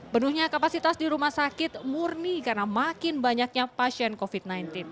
penuhnya kapasitas di rumah sakit murni karena makin banyaknya pasien covid sembilan belas